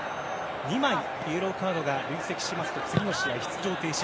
２枚イエローカードが累積してしまいますと次の試合は出場停止。